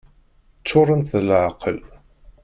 Ččurent d leεqel!